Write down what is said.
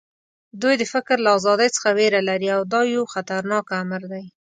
دوی د فکر له ازادۍ څخه وېره لري او دا یو خطرناک امر دی